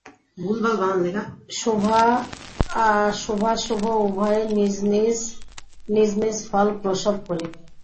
শুভাশুভ উভয়ই নিজ নিজ ফল প্রসব করিবে।